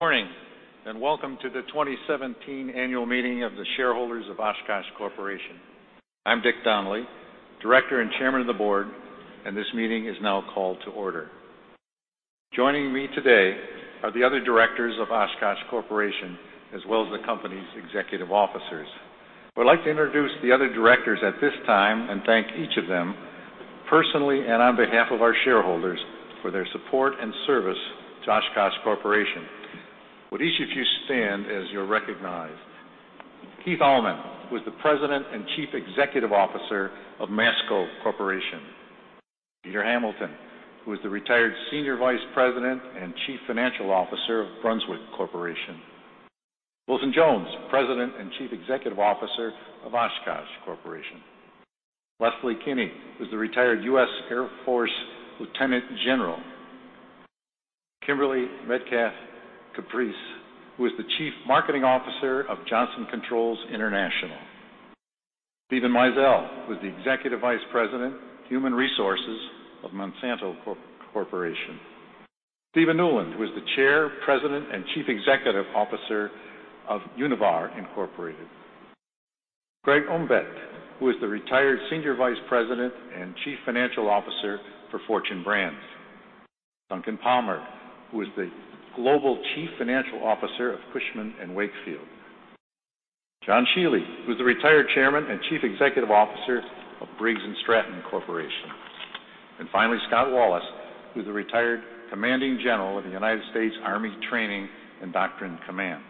...Good morning, and welcome to the 2017 Annual Meeting of the Shareholders of Oshkosh Corporation. I'm Dick Donnelly, Director and Chairman of the Board, and this meeting is now called to order. Joining me today are the other directors of Oshkosh Corporation, as well as the company's executive officers. I would like to introduce the other directors at this time and thank each of them personally, and on behalf of our shareholders, for their support and service to Oshkosh Corporation. Would each of you stand as you're recognized? Keith Allman, who is the President and Chief Executive Officer of Masco Corporation. Peter Hamilton, who is the retired Senior Vice President and Chief Financial Officer of Brunswick Corporation. Wilson Jones, President and Chief Executive Officer of Oshkosh Corporation. Leslie Kenne, who's the retired U.S. Air Force Lieutenant General. Kimberly Metcalf-Kupres, who is the Chief Marketing Officer of Johnson Controls International. Steven Mizell, who is the Executive Vice President, Human Resources of Monsanto Company. Stephen Newlin, who is the Chair, President, and Chief Executive Officer of Univar Inc. Craig Omtvedt, who is the retired Senior Vice President and Chief Financial Officer for Fortune Brands. Duncan Palmer, who is the Global Chief Financial Officer of Cushman & Wakefield. John Shiely, who's the retired Chairman and Chief Executive Officer of Briggs & Stratton Corporation. And finally, Scott Wallace, who's the retired Commanding General of the United States Army Training and Doctrine Command.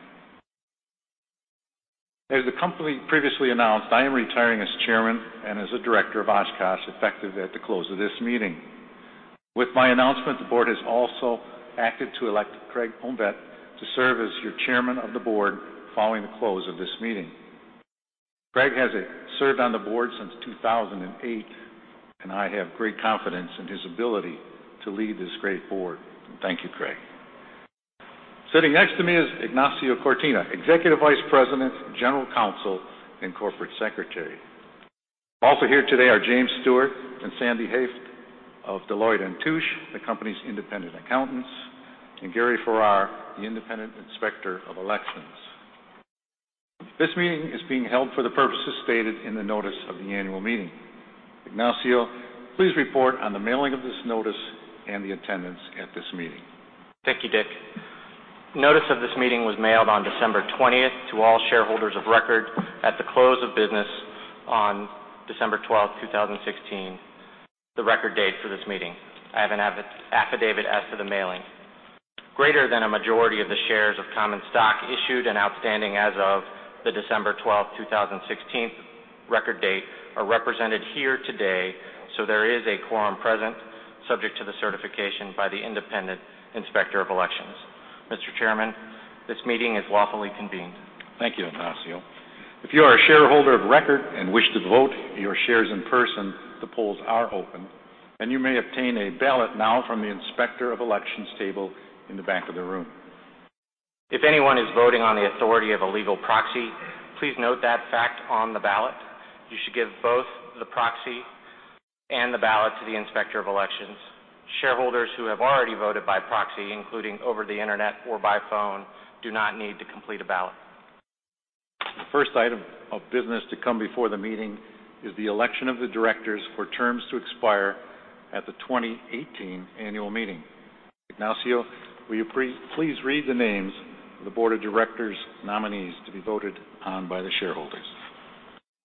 As the company previously announced, I am retiring as Chairman and as a Director of Oshkosh, effective at the close of this meeting. With my announcement, the board has also acted to elect Craig Omtvedt to serve as your Chairman of the Board following the close of this meeting. Craig has served on the board since 2008, and I have great confidence in his ability to lead this great board. Thank you, Craig. Sitting next to me is Ignacio Cortina, Executive Vice President, General Counsel, and Corporate Secretary. Also here today are James Stewart and Sandy Haase of Deloitte & Touche, the company's independent accountants, and Gary Farrar, the Independent Inspector of Elections. This meeting is being held for the purposes stated in the notice of the annual meeting. Ignacio, please report on the mailing of this notice and the attendance at this meeting. Thank you, Dick. Notice of this meeting was mailed on December 20th to all shareholders of record at the close of business on December 12th, 2016, the record date for this meeting. I have an affidavit as to the mailing. Greater than a majority of the shares of common stock issued and outstanding as of the December 12th, 2016 record date are represented here today, so there is a quorum present, subject to the certification by the Independent Inspector of Elections. Mr. Chairman, this meeting is lawfully convened. Thank you, Ignacio. If you are a shareholder of record and wish to vote your shares in person, the polls are open, and you may obtain a ballot now from the Inspector of Elections table in the back of the room. If anyone is voting on the authority of a legal proxy, please note that fact on the ballot. You should give both the proxy and the ballot to the Inspector of Elections. Shareholders who have already voted by proxy, including over the internet or by phone, do not need to complete a ballot. The first item of business to come before the meeting is the election of the directors for terms to expire at the 2018 annual meeting. Ignacio, will you please read the names of the Board of Directors nominees to be voted on by the shareholders?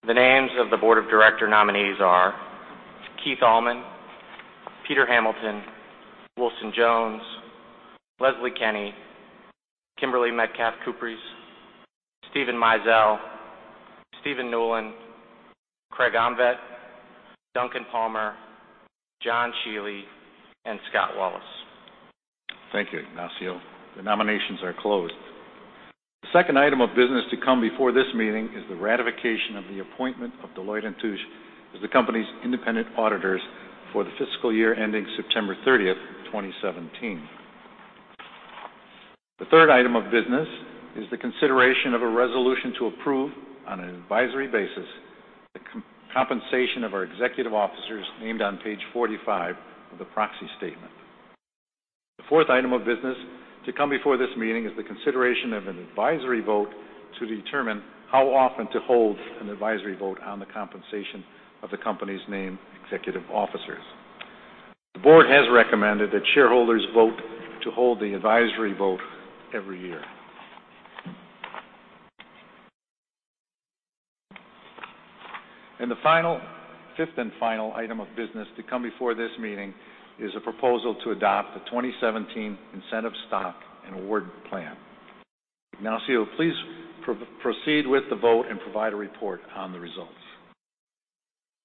The names of the Board of Directors nominees are Keith Allman, Peter Hamilton, Wilson Jones, Leslie Kenne, Kimberly Metcalf-Kupres, Steven Mizell, Stephen Newlin, Craig Omtvedt, Duncan Palmer, John Shiely, and Scott Wallace. Thank you, Ignacio. The nominations are closed. The second item of business to come before this meeting is the ratification of the appointment of Deloitte & Touche as the company's independent auditors for the fiscal year ending September 30, 2017. The third item of business is the consideration of a resolution to approve, on an advisory basis, the compensation of our executive officers named on page 45 of the proxy statement. The fourth item of business to come before this meeting is the consideration of an advisory vote to determine how often to hold an advisory vote on the compensation of the company's named executive officers. The board has recommended that shareholders vote to hold the advisory vote every year. The fifth and final item of business to come before this meeting is a proposal to adopt the 2017 incentive stock and award plan. Ignacio, please proceed with the vote and provide a report on the results.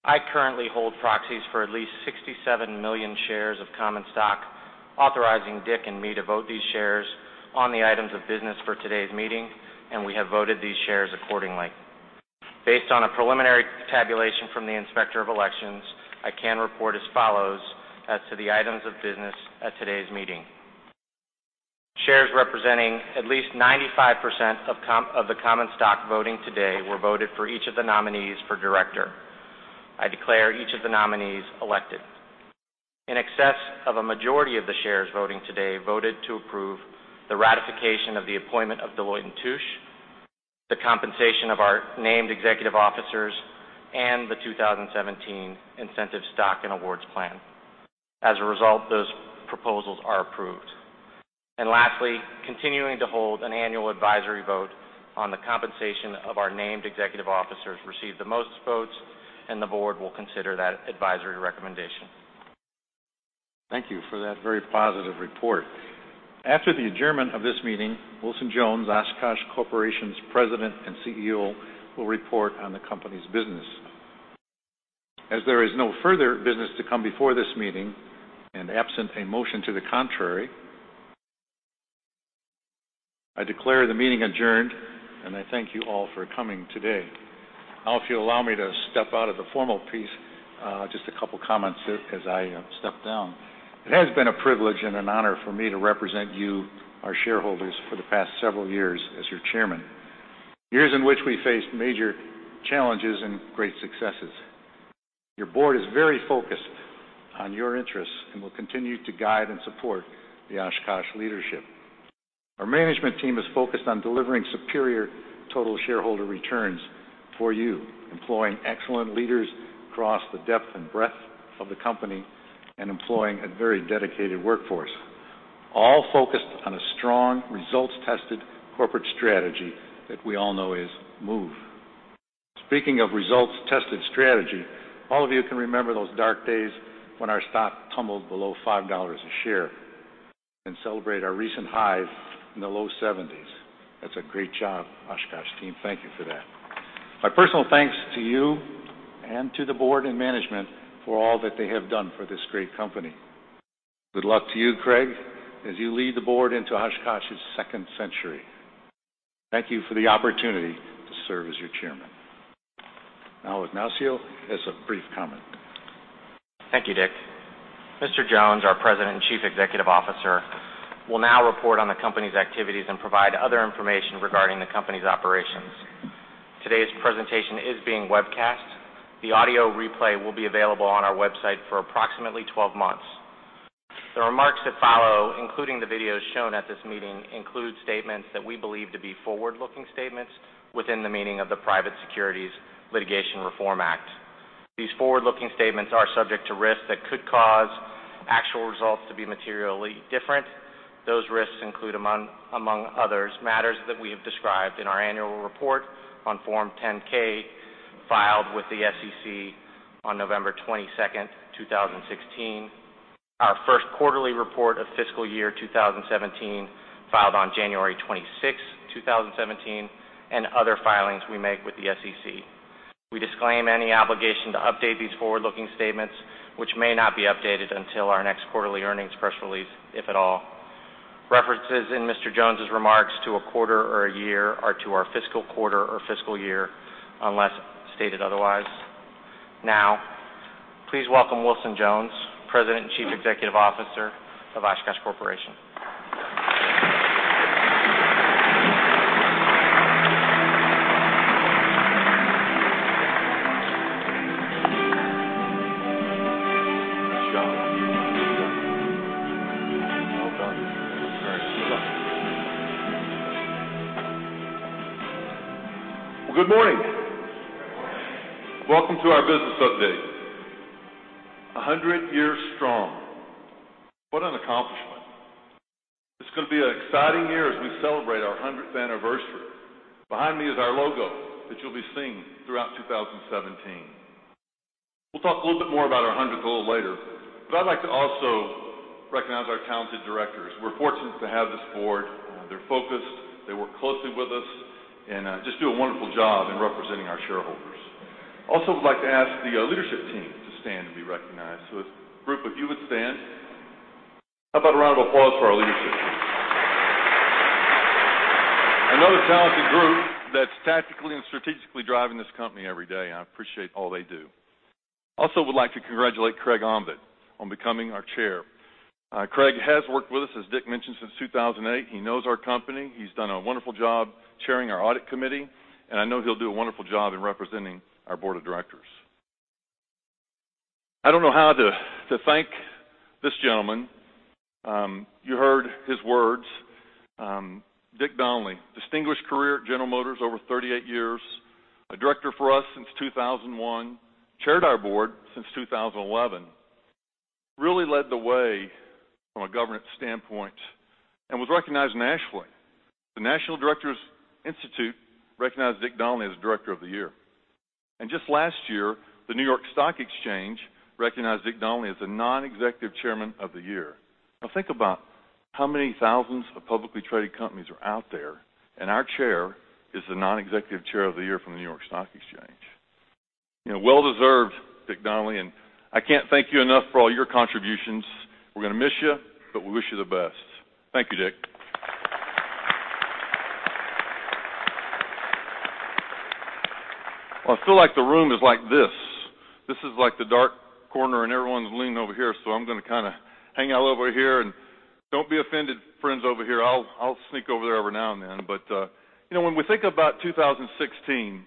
I currently hold proxies for at least 67 million shares of common stock, authorizing Dick and me to vote these shares on the items of business for today's meeting, and we have voted these shares accordingly. Based on a preliminary tabulation from the Inspector of Elections, I can report as follows as to the items of business at today's meeting. Shares representing at least 95% of the common stock voting today were voted for each of the nominees for director. I declare each of the nominees elected. In excess of a majority of the shares voting today voted to approve the ratification of the appointment of Deloitte & Touche, the compensation of our named executive officers, and the 2017 incentive stock and awards plan. As a result, those proposals are approved. And lastly, continuing to hold an annual advisory vote on the compensation of our named executive officers received the most votes, and the board will consider that advisory recommendation. Thank you for that very positive report. After the adjournment of this meeting, Wilson Jones, Oshkosh Corporation's President and CEO, will report on the company's business. As there is no further business to come before this meeting, and absent a motion to the contrary, I declare the meeting adjourned, and I thank you all for coming today. Now, if you allow me to step out of the formal piece, just a couple comments as I step down. It has been a privilege and an honor for me to represent you, our shareholders, for the past several years as your chairman, years in which we faced major challenges and great successes. Your board is very focused on your interests and will continue to guide and support the Oshkosh leadership. Our management team is focused on delivering superior total shareholder returns for you, employing excellent leaders across the depth and breadth of the company and employing a very dedicated workforce, all focused on a strong, results-tested corporate strategy that we all know is MOVE. Speaking of results-tested strategy, all of you can remember those dark days when our stock tumbled below $5 a share and celebrate our recent highs in the low 70s. That's a great job, Oshkosh team. Thank you for that. My personal thanks to you and to the board and management for all that they have done for this great company. Good luck to you, Craig, as you lead the board into Oshkosh's second century. Thank you for the opportunity to serve as your chairman. Now, Ignacio has a brief comment. Thank you, Dick. Mr. Jones, our President and Chief Executive Officer, will now report on the company's activities and provide other information regarding the company's operations. Today's presentation is being webcast. The audio replay will be available on our website for approximately 12 months. The remarks that follow, including the videos shown at this meeting, include statements that we believe to be forward-looking statements within the meaning of the Private Securities Litigation Reform Act. These forward-looking statements are subject to risks that could cause actual results to be materially different. Those risks include, among others, matters that we have described in our annual report on Form 10-K, filed with the SEC on November 22, 2016, our first quarterly report of fiscal year 2017, filed on January 26, 2017, and other filings we make with the SEC. We disclaim any obligation to update these forward-looking statements, which may not be updated until our next quarterly earnings press release, if at all. References in Mr. Jones's remarks to a quarter or a year are to our fiscal quarter or fiscal year, unless stated otherwise. Now, please welcome Wilson Jones, President and Chief Executive Officer of Oshkosh Corporation. Good morning! Good morning. Welcome to our business update. 100 years strong. What an accomplishment. It's gonna be an exciting year as we celebrate our hundredth anniversary. Behind me is our logo that you'll be seeing throughout 2017. We'll talk a little bit more about our hundredth goal later, but I'd like to also recognize our talented directors. We're fortunate to have this board. They're focused, they work closely with us, and just do a wonderful job in representing our shareholders. Also, would like to ask the leadership team to stand and be recognized. So group, if you would stand. How about a round of applause for our leadership team? Another talented group that's tactically and strategically driving this company every day, and I appreciate all they do. Also, would like to congratulate Craig Omtvedt on becoming our chair. Craig has worked with us, as Dick mentioned, since 2008. He knows our company. He's done a wonderful job chairing our audit committee, and I know he'll do a wonderful job in representing our board of directors. I don't know how to thank this gentleman. You heard his words. Dick Donnelly, distinguished career at General Motors over 38 years, a director for us since 2001, chaired our board since 2011. Really led the way from a governance standpoint and was recognized nationally. The National Directors Institute recognized Dick Donnelly as Director of the Year. And just last year, the New York Stock Exchange recognized Dick Donnelly as the Non-Executive Chairman of the Year. Now, think about how many thousands of publicly traded companies are out there, and our chair is the Non-Executive Chair of the Year from the New York Stock Exchange. You know, well-deserved, Dick Donnelly, and I can't thank you enough for all your contributions. We're gonna miss you, but we wish you the best. Thank you, Dick. I feel like the room is like this. This is like the dark corner, and everyone's leaning over here, so I'm gonna kinda hang out over here and don't be offended, friends over here. I'll, I'll sneak over there every now and then. But, you know, when we think about 2016.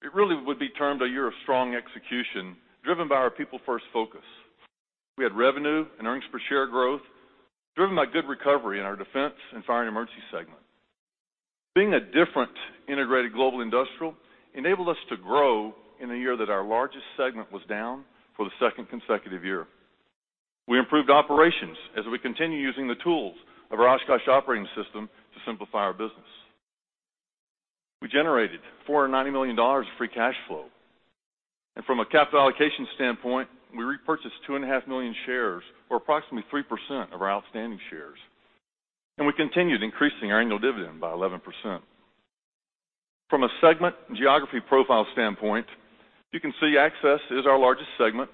It really would be termed a year of strong execution, driven by our people first focus. We had revenue and earnings per share growth, driven by good recovery in our defense and fire and emergency segment. Being a different integrated global industrial enabled us to grow in a year that our largest segment was down for the second consecutive year. We improved operations as we continue using the tools of our Oshkosh Operating System to simplify our business. We generated $490 million of free cash flow, and from a capital allocation standpoint, we repurchased 2.5 million shares, or approximately 3% of our outstanding shares, and we continued increasing our annual dividend by 11%. From a segment and geography profile standpoint, you can see Access is our largest segment.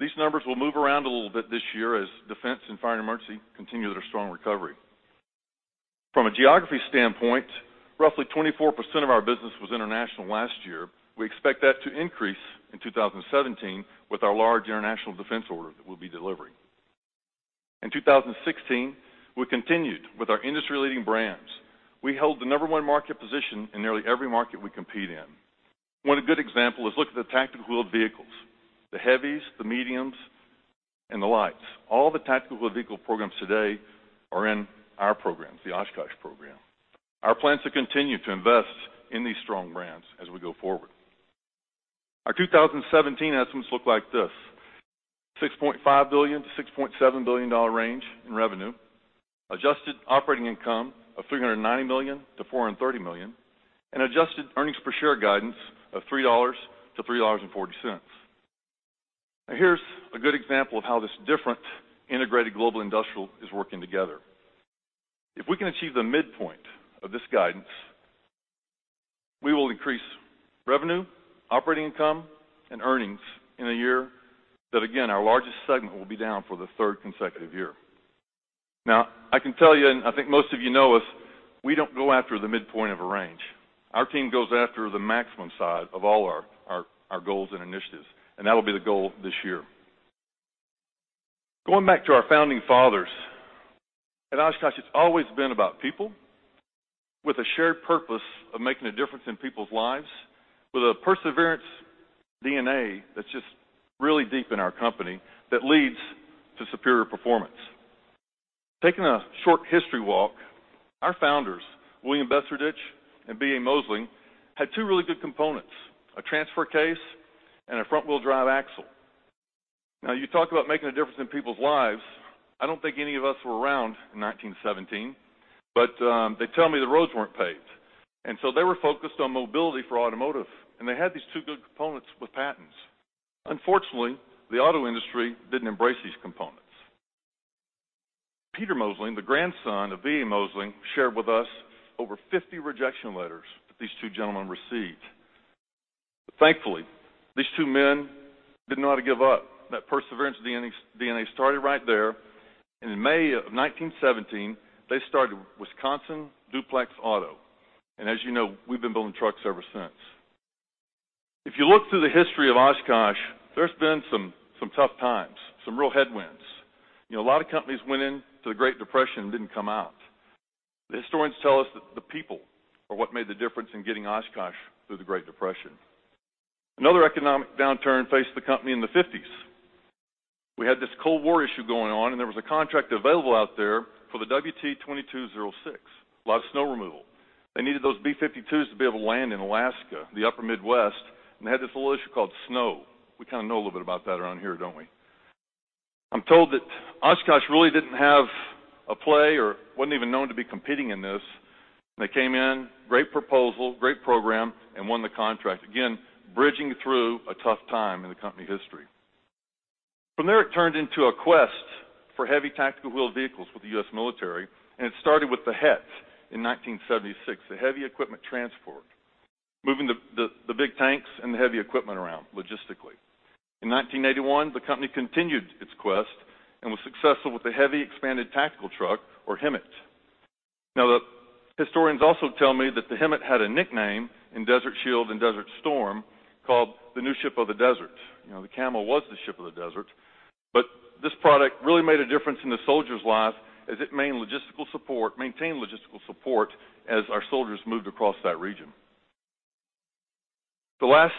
These numbers will MOVE around a little bit this year as Defense and Fire and Emergency continue their strong recovery. From a geography standpoint, roughly 24% of our business was international last year. We expect that to increase in 2017 with our large international defense order that we'll be delivering. In 2016, we continued with our industry-leading brands. We held the number one market position in nearly every market we compete in. One good example is look at the tactical wheeled vehicles, the heavies, the mediums, and the lights. All the tactical wheeled vehicle programs today are in our programs, the Oshkosh program. Our plan is to continue to invest in these strong brands as we go forward. Our 2017 estimates look like this: $6.5 billion-$6.7 billion range in revenue, adjusted operating income of $390 million-$430 million, and adjusted earnings per share guidance of $3-$3.40. Now, here's a good example of how this different integrated global industrial is working together. If we can achieve the midpoint of this guidance, we will increase revenue, operating income, and earnings in a year that, again, our largest segment will be down for the third consecutive year. Now, I can tell you, and I think most of you know us, we don't go after the midpoint of a range. Our team goes after the maximum side of all our goals and initiatives, and that'll be the goal this year. Going back to our founding fathers, at Oshkosh, it's always been about people with a shared purpose of making a difference in people's lives, with a perseverance DNA that's just really deep in our company that leads to superior performance. Taking a short history walk, our founders, William Besserdich and B.A. Mosling. Mosling had two really good components, a transfer case and a front-wheel drive axle. Now, you talk about making a difference in people's lives. I don't think any of us were around in 1917, but they tell me the roads weren't paved, and so they were focused on mobility for automotive, and they had these two good components with patents. Unfortunately, the auto industry didn't embrace these components. Peter Mosling, the grandson of B.A. Mosling, shared with us over 50 rejection letters that these two gentlemen received. But thankfully, these two men didn't know how to give up. That perseverance DNA started right there, and in May of 1917, they started Wisconsin Duplex Auto, and as you know, we've been building trucks ever since. If you look through the history of Oshkosh, there's been some tough times, some real headwinds. You know, a lot of companies went into the Great Depression and didn't come out. The historians tell us that the people are what made the difference in getting Oshkosh through the Great Depression. Another economic downturn faced the company in the 1950s. We had this Cold War issue going on, and there was a contract available out there for the WT-2206, a lot of snow removal. They needed those B-52s to be able to land in Alaska, the Upper Midwest, and they had this little issue called snow. We kind of know a little bit about that around here, don't we? I'm told that Oshkosh really didn't have a play or wasn't even known to be competing in this. They came in, great proposal, great program, and won the contract, again, bridging through a tough time in the company history. From there, it turned into a quest for heavy tactical wheeled vehicles with the U.S. military, and it started with the HET in 1976, the Heavy Equipment Transport, moving the big tanks and the heavy equipment around logistically. In 1981, the company continued its quest and was successful with the Heavy Expanded Tactical Truck, or HEMTT. Now, the historians also tell me that the HEMTT had a nickname in Desert Shield and Desert Storm, called the New Ship of the Desert. You know, the camel was the ship of the desert, but this product really made a difference in the soldiers' lives as it maintained logistical support as our soldiers moved across that region. The last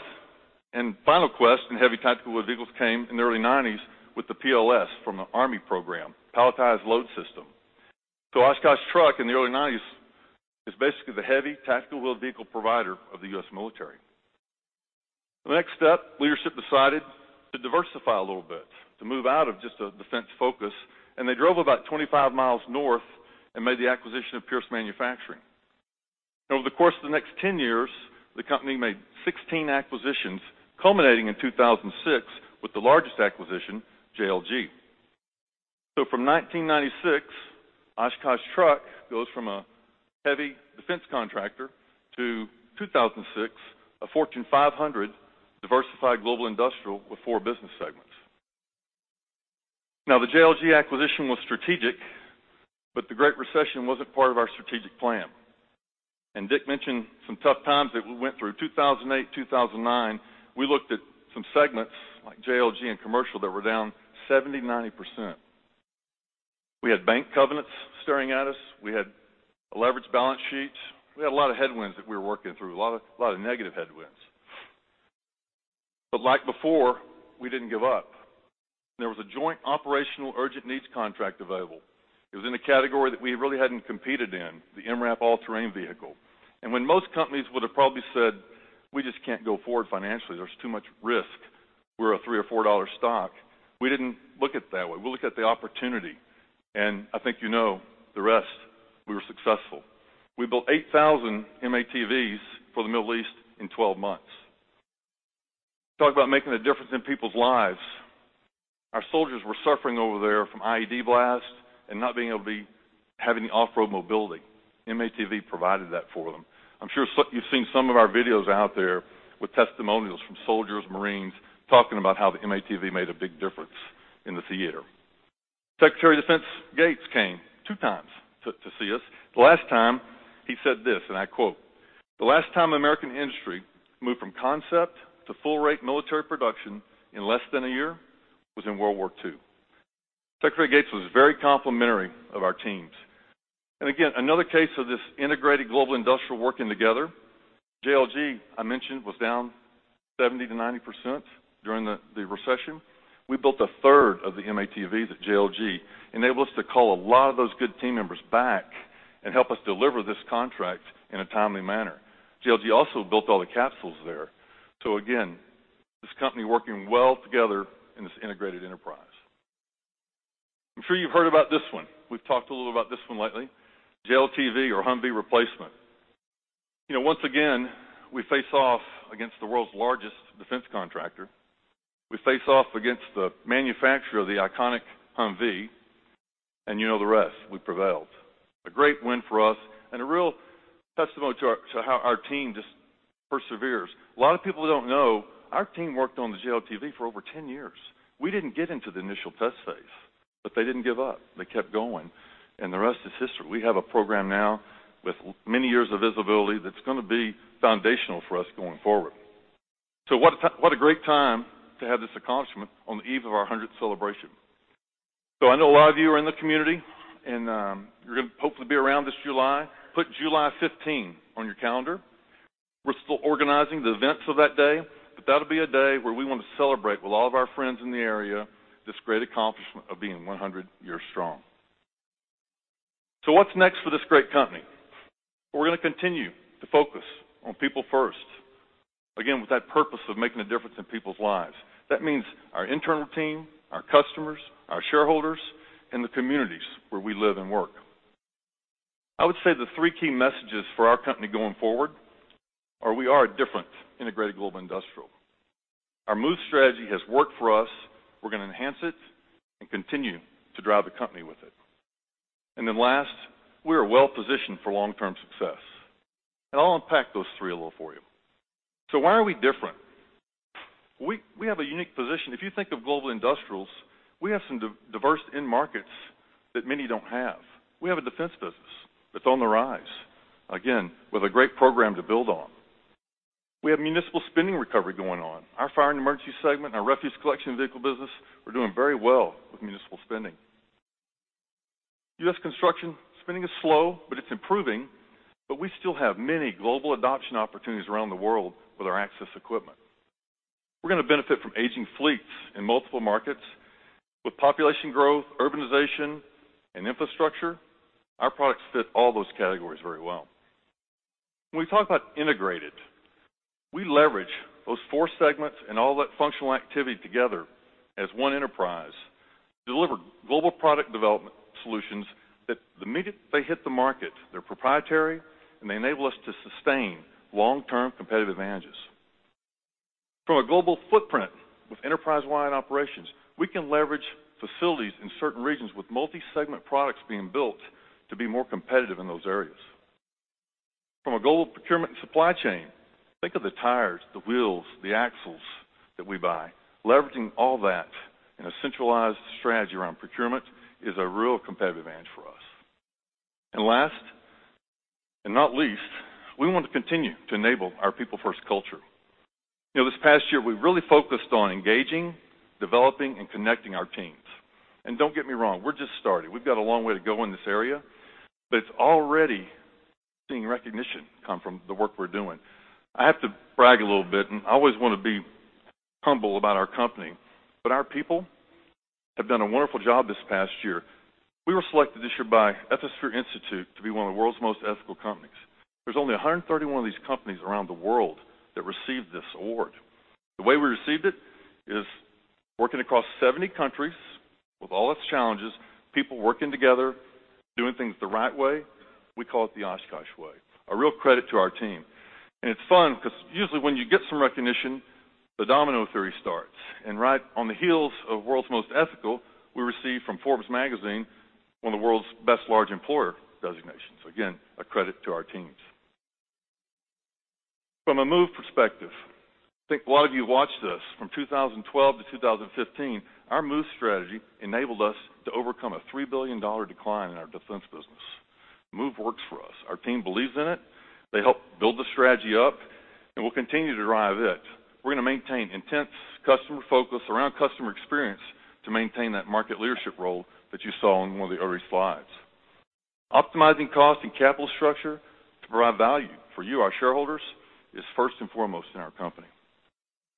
and final quest in heavy tactical vehicles came in the early 1990s with the PLS from the Army program, Palletized Load System. So Oshkosh Truck in the early 1990s is basically the heavy tactical wheeled vehicle provider of the U.S. military. The next step, leadership decided to diversify a little bit, to MOVE out of just a defense focus, and they drove about 25 miles north and made the acquisition of Pierce Manufacturing. Over the course of the next 10 years, the company made 16 acquisitions, culminating in 2006, with the largest acquisition, JLG. So from 1996, Oshkosh Truck goes from a heavy defense contractor to 2006, a Fortune 500 diversified global industrial with four business segments. Now, the JLG acquisition was strategic, but the Great Recession wasn't part of our strategic plan. And Dick mentioned some tough times that we went through. 2008, 2009, we looked at some segments like JLG and Commercial that were down 70%-90%.... We had bank covenants staring at us. We had a leveraged balance sheet. We had a lot of headwinds that we were working through, a lot of, lot of negative headwinds. But like before, we didn't give up. There was a joint operational urgent needs contract available. It was in a category that we really hadn't competed in, the MRAP All-Terrain Vehicle. And when most companies would have probably said, "We just can't go forward financially, there's too much risk. We're a $3-$4 stock," we didn't look at it that way. We looked at the opportunity, and I think you know the rest, we were successful. We built 8,000 M-ATVs for the Middle East in 12 months. Talk about making a difference in people's lives. Our soldiers were suffering over there from IED blasts and not having the off-road mobility. M-ATV provided that for them. I'm sure you've seen some of our videos out there with testimonials from soldiers, marines, talking about how the M-ATV made a big difference in the theater. Secretary of Defense Gates came two times to see us. The last time he said this, and I quote, "The last time American industry moved from concept to full rate military production in less than a year was in World War II." Secretary Gates was very complimentary of our teams. And again, another case of this integrated global industrial working together. JLG, I mentioned, was down 70%-90% during the recession. We built a third of the M-ATV that JLG enabled us to call a lot of those good team members back and help us deliver this contract in a timely manner. JLG also built all the capsules there. So again, this company working well together in this integrated enterprise. I'm sure you've heard about this one. We've talked a little about this one lately, JLTV or Humvee replacement. You know, once again, we face off against the world's largest defense contractor. We face off against the manufacturer of the iconic Humvee, and you know the rest, we prevailed. A great win for us and a real testimony to our, to how our team just perseveres. A lot of people don't know, our team worked on the JLTV for over 10 years. We didn't get into the initial test phase, but they didn't give up. They kept going, and the rest is history. We have a program now with many years of visibility, that's going to be foundational for us going forward. So what a great time to have this accomplishment on the eve of our 100th celebration. So I know a lot of you are in the community, and you're going to hopefully be around this July. Put July 15 on your calendar. We're still organizing the events of that day, but that'll be a day where we want to celebrate with all of our friends in the area, this great accomplishment of being 100 years strong. So what's next for this great company? We're going to continue to focus on people first, again, with that purpose of making a difference in people's lives. That means our internal team, our customers, our shareholders, and the communities where we live and work. I would say the three key messages for our company going forward are: we are a different integrated global industrial. Our MOVE strategy has worked for us. We're going to enhance it and continue to drive the company with it. And then last, we are well-positioned for long-term success. And I'll unpack those three a little for you. So why are we different? We, we have a unique position. If you think of global industrials, we have some diverse end markets that many don't have. We have a defense business that's on the rise, again, with a great program to build on. We have municipal spending recovery going on. Our fire and emergency segment, our refuse collection vehicle business, we're doing very well with municipal spending. U.S. construction spending is slow, but it's improving, but we still have many global adoption opportunities around the world with our access equipment. We're going to benefit from aging fleets in multiple markets. With population growth, urbanization, and infrastructure, our products fit all those categories very well. When we talk about integrated, we leverage those four segments and all that functional activity together as one enterprise, deliver global product development solutions that the minute they hit the market, they're proprietary, and they enable us to sustain long-term competitive advantages. From a global footprint with enterprise-wide operations, we can leverage facilities in certain regions with multi-segment products being built to be more competitive in those areas. From a global procurement and supply chain, think of the tires, the wheels, the axles that we buy. Leveraging all that in a centralized strategy around procurement is a real competitive advantage for us. And last, and not least, we want to continue to enable our people-first culture. You know, this past year, we've really focused on engaging, developing, and connecting our teams. And don't get me wrong, we're just starting. We've got a long way to go in this area, but it's already seeing recognition come from the work we're doing. I have to brag a little bit, and I always want to be humble about our company, but our people have done a wonderful job this past year. We were selected this year by Ethisphere Institute to be one of the world's most ethical companies. There's only 131 of these companies around the world that received this award. The way we received it is working across 70 countries with all its challenges, people working together, doing things the right way. We call it the Oshkosh way, a real credit to our team. It's fun because usually when you get some recognition, the domino theory starts, and right on the heels of World's Most Ethical, we received from Forbes magazine, one of the World's Best Large Employer designations. Again, a credit to our teams. From a MOVE perspective, I think a lot of you watched this. From 2012 to 2015, our MOVE strategy enabled us to overcome a $3 billion decline in our defense business... MOVE works for us. Our team believes in it. They helped build the strategy up, and we'll continue to drive it. We're going to maintain intense customer focus around customer experience to maintain that market leadership role that you saw on one of the early slides. Optimizing cost and capital structure to provide value for you, our shareholders, is first and foremost in our company.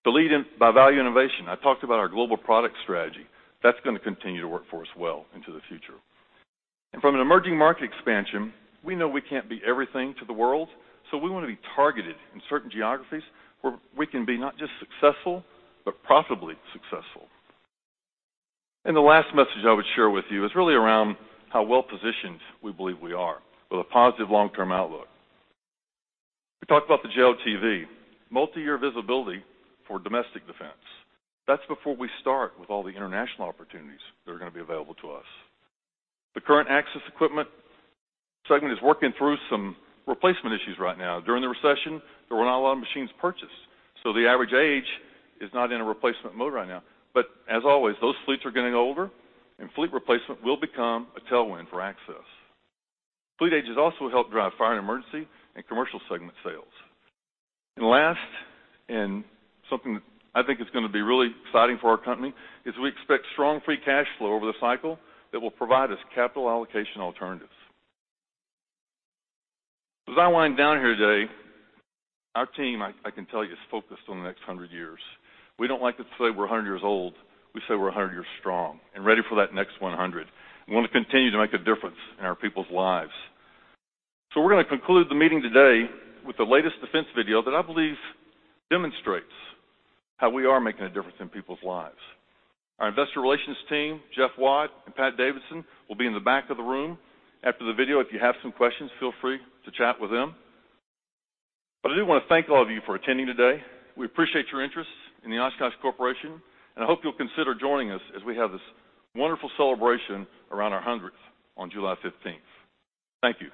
To lead in value innovation, I talked about our global product strategy. That's going to continue to work for us well into the future. From an emerging market expansion, we know we can't be everything to the world, so we want to be targeted in certain geographies where we can be not just successful, but profitably successful. The last message I would share with you is really around how well-positioned we believe we are with a positive long-term outlook. We talked about the JLTV, multiyear visibility for domestic defense. That's before we start with all the international opportunities that are going to be available to us. The current access equipment segment is working through some replacement issues right now. During the recession, there were not a lot of machines purchased, so the average age is not in a replacement mode right now. But as always, those fleets are getting older, and fleet replacement will become a tailwind for access. Fleet age has also helped drive fire and emergency and commercial segment sales. And last, and something I think is going to be really exciting for our company, is we expect strong free cash flow over the cycle that will provide us capital allocation alternatives. As I wind down here today, our team, I, I can tell you, is focused on the next 100 years. We don't like to say we're 100 years old. We say we're 100 years strong and ready for that next 100. We want to continue to make a difference in our people's lives. So we're going to conclude the meeting today with the latest defense video that I believe demonstrates how we are making a difference in people's lives. Our investor relations team, Jeff Watt and Pat Davidson, will be in the back of the room after the video. If you have some questions, feel free to chat with them. But I do want to thank all of you for attending today. We appreciate your interest in the Oshkosh Corporation, and I hope you'll consider joining us as we have this wonderful celebration around our hundredth on July fifteenth. Thank you.